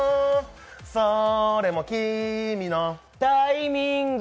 そーれもーきーみのータイミング。